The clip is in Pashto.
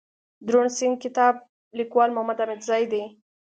دروڼ سيند دکتاب ليکوال محمودحميدزى دئ